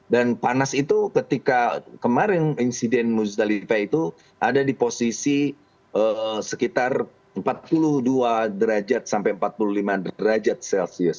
dan panas itu ketika kemarin insiden bustalifah itu ada di posisi sekitar empat puluh dua derajat sampai empat puluh lima derajat celcius